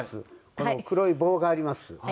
この黒い棒があります。